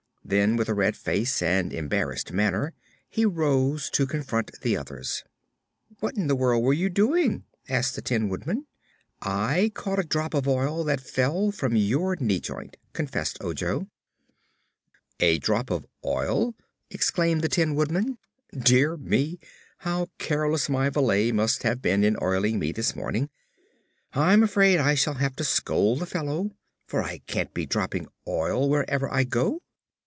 Then, with a red face and embarrassed manner, he rose to confront the others. "What in the world were you doing?" asked the Tin Woodman. "I caught a drop of oil that fell from your knee joint," confessed Ojo. "A drop of oil!" exclaimed the Tin Woodman. "Dear me, how careless my valet must have been in oiling me this morning. I'm afraid I shall have to scold the fellow, for I can't be dropping oil wherever I go."